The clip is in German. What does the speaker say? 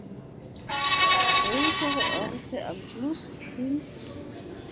Größere Orte am Fluss sind